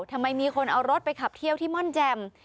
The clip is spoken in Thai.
ทำไมมีคนเอารถไปขับเที่ยวที่ม่อนแจ่ม